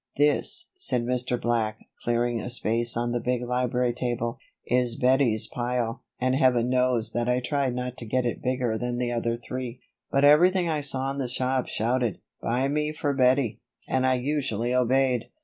"This," said Mr. Black, clearing a space on the big library table, "is Bettie's pile, and Heaven knows that I tried not to get it bigger than the other three; but everything I saw in the shops shouted 'Buy me for Bettie' and I usually obeyed."